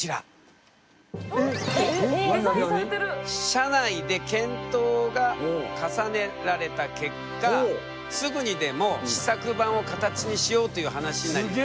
社内で検討が重ねられた結果すぐにでも試作版を形にしようという話になりました。